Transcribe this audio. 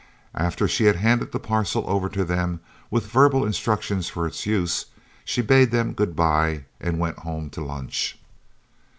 After she had handed the parcel over to them, with verbal instructions for its use, she bade them good bye and went home to lunch.